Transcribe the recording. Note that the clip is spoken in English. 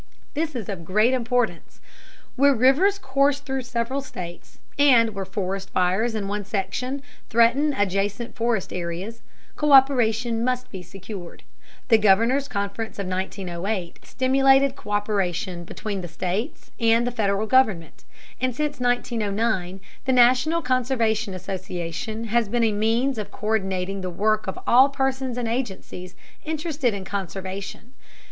This is of great importance. Where rivers course through several states, and where forest fires in one section threaten adjacent forest areas, co÷peration must be secured. The Governors' Conference of 1908 stimulated co÷peration between the states and the Federal government, and since 1909 the National Conservation Association has been a means of co÷rdinating the work of all persons and agencies interested in conservation.